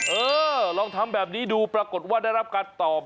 เออลองทำแบบนี้ดูปรากฏว่าได้รับการตอบ